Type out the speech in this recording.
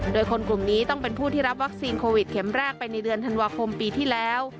โดยคนกลุ่มนี้ต้องเป็นผู้ที่รับวัคซีนโควิดเข็มแรกไปในเดือนธันวาคมปีที่แล้ว